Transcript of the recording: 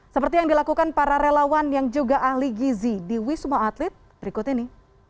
seperti yang dilakukan para relawan yang juga ahli gizi di wisma atlet berikut ini